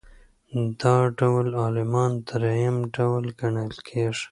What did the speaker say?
دا ډول عالمان درېیم ډول ګڼل کیږي.